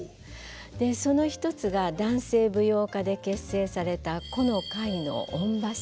その一つが男性舞踊家で結成された弧の会の「御柱」。